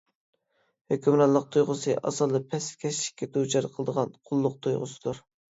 ھۆكۈمرانلىق تۇيغۇسى، ئاسانلا پەسكەشلىككە دۇچار قىلىدىغان قۇللۇق تۇيغۇسىدۇر.